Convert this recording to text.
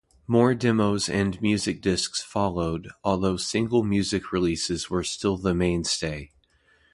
More demos and musicdisks followed, although single music releases were still the mainstay.